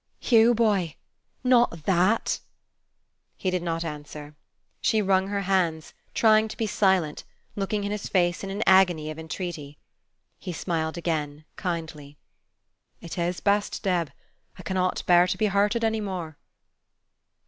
"Hugh, boy, not THAT!" He did not answer. She wrung her hands, trying to be silent, looking in his face in an agony of entreaty. He smiled again, kindly. "It is best, Deb. I cannot bear to be hurted any more.